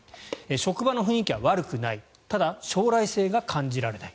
職場の雰囲気は悪くないただ、将来性が感じられない。